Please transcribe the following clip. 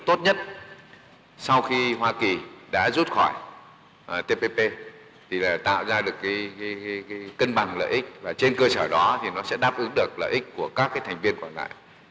tốt nhất sau khi hoa kỳ đã rút khỏi tpp thì là tạo ra được cái cân bằng lợi ích và trên cơ sở đó thì nó sẽ đáp ứng được lợi ích của các thành viên còn lại